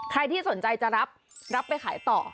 ใครที่สนใจจะรับรับไปขายต่อ